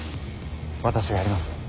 私がやります。